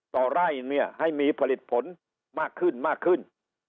ต่อไร่เนี่ยให้มีผลิตผลมากขึ้นมากขึ้น